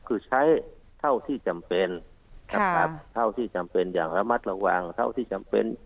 ก็คือใช้เท่าที่จำเป็นอย่างระมัดระวังเท่าที่จำเป็น